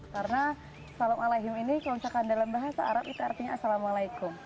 karena salam aleikum ini kalau dinyanyikan dalam bahasa arab itu artinya assalamualaikum